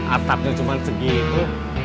atapnya cuma segitu